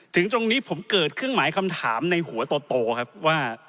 ถึงตรงนี้ผมเกิดขึ้นหมายคำถามในหัวโตครับว่า